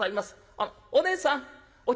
あっおねえさんお茶